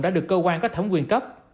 đã được cơ quan có thẩm quyền cấp